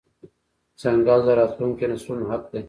ځنګل د راتلونکو نسلونو حق دی.